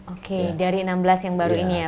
oke dari enam belas yang baru ini ya